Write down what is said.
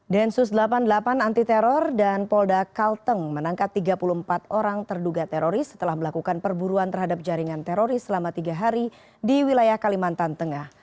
densus delapan puluh delapan anti teror dan polda kalteng menangkap tiga puluh empat orang terduga teroris setelah melakukan perburuan terhadap jaringan teroris selama tiga hari di wilayah kalimantan tengah